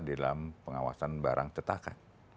dalam pengawasan barang cetakan